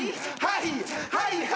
「はいはい」